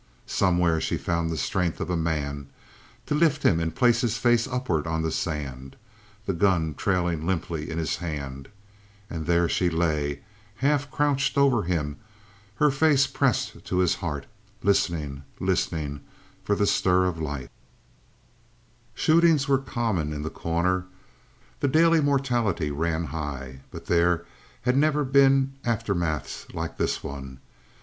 Somewhere she found the strength of a man to lift him and place him face upward on the sand, the gun trailing limply in his hand. And then she lay, half crouched over him, her face pressed to his heart listening listening for the stir of life. Shootings were common in The Corner; the daily mortality ran high; but there had never been aftermaths like this one.